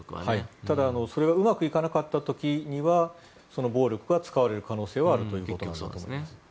ただ、それがうまくいかなかった時にはその暴力が使われる可能性はあるということだと思います。